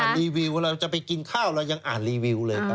รีวิวเราจะไปกินข้าวเรายังอ่านรีวิวเลยครับ